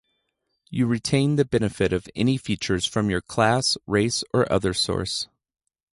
You retain the benefit of any features from your class, race, or other source.